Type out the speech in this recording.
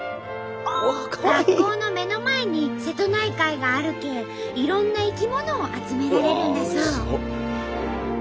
学校の目の前に瀬戸内海があるけえいろんな生き物を集められるんだそう。